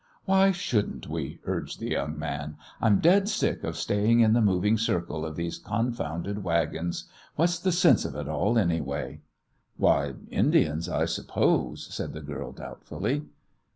"Why shouldn't we?" urged the young man. "I'm dead sick of staying in the moving circle of these confounded wagons. What's the sense of it all, anyway?" "Why, Indians, I suppose," said the girl, doubtfully.